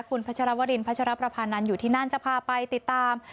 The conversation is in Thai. คุณพัชรวรินพัชรประพานันอยู่ที่นั่นจะพาไปติดตาม